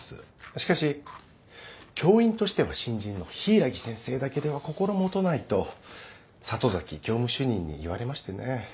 しかし教員としては新人の柊木先生だけでは心もとないと里崎教務主任に言われましてね。